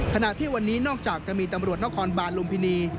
ขณะที่วันนี้นอกจากจะมีตำรวจนครบานลุมพินี